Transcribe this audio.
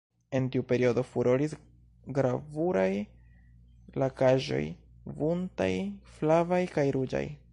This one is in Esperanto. En tiu periodo furoris gravuraj lakaĵoj buntaj, flavaj kaj ruĝaj.